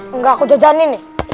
enggak aku jajanin nih